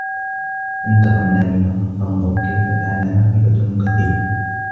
فَانتَقَمنا مِنهُم فَانظُر كَيفَ كانَ عاقِبَةُ المُكَذِّبينَ